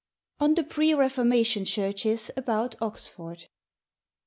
V. ON THE PRE REFORMATION CHURCHES ABOUT OXFORD.